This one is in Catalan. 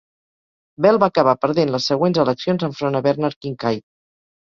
Bel va acabar perdent les següents eleccions enfront a Bernard Kincaid.